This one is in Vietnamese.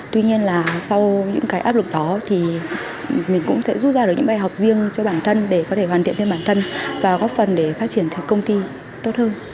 tuy nhiên là sau những cái áp lực đó thì mình cũng sẽ rút ra được những bài học riêng cho bản thân để có thể hoàn thiện thêm bản thân và góp phần để phát triển cho công ty tốt hơn